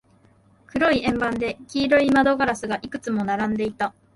黒い円盤で、黄色い窓ガラスがいくつも並んでいた。